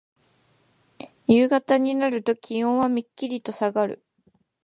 夕方になると気温はめっきりとさがる。